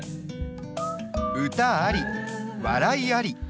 歌あり笑いあり。